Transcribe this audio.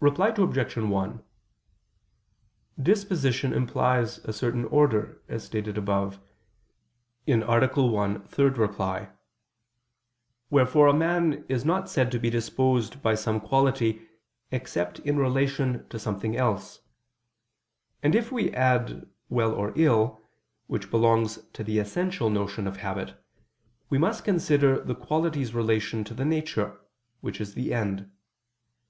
Reply Obj. 1: Disposition implies a certain order, as stated above (A. 1, ad 3). Wherefore a man is not said to be disposed by some quality except in relation to something else. And if we add "well or ill," which belongs to the essential notion of habit, we must consider the quality's relation to the nature, which is the end.